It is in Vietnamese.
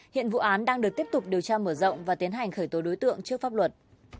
hiện vụ án đang được tiếp tục điều tra mở rộng và tiến hành khởi tố đối tượng trước pháp luật